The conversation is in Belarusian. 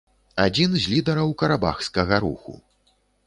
Адзін з лідараў карабахскага руху.